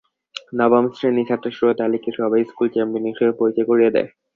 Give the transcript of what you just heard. নবম শ্রেণীর ছাত্র সুরত আলীকে সবাই স্কুল চ্যাম্পিয়ন হিসেবে পরিচয় করিয়ে দেয়।